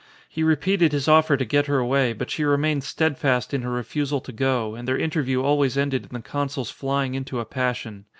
He repeated his offer to get her away, but she re mained steadfast in her refusal to go, and their interview always ended in the consul's flying into a passion.